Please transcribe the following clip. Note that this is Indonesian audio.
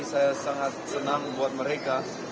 saya sangat senang buat mereka